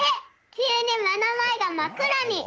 きゅうにめのまえがまっくらに。